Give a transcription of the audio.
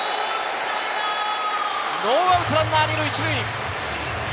ノーアウトランナー２塁１塁。